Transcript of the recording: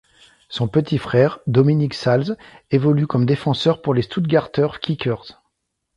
Son petit frère, Dominik Salz, évolue comme défenseur pour les Stuttgarter Kickers.